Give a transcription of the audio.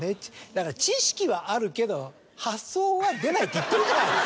だから知識はあるけど発想は出ないって言ってるじゃないですか。